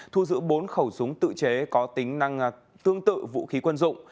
thu giữ bốn khẩu súng tự chế có tính năng tương tự vũ khí quân dụng